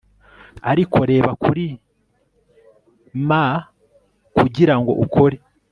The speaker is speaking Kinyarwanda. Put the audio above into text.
ariko reba kuri ma kugirango ukore